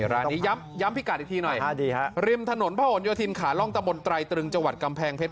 ร้านนี้ย้ำพิกัดอีกทีหน่อยริมถนนพระหลโยธินขาล่องตะบนไตรตรึงจังหวัดกำแพงเพชร